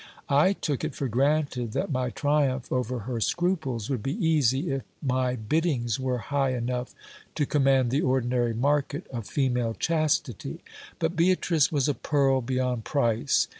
I took it for granted that my triumph over her scruples would be easy if my biddings were hijh enough to command the ordinary market of female chastity ; but Beatrice was a pearl beyond price.